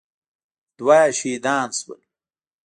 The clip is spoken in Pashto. دوه يې شهيدان سول.